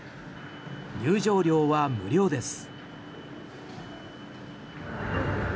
入場料は無料です。